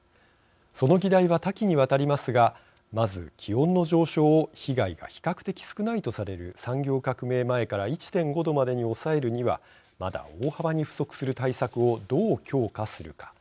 その議題は多岐にわたりますがまず気温の上昇を被害が比較的少ないとされる産業革命前から１．５℃までに抑えるにはまだ大幅に不足する対策をどう強化するか。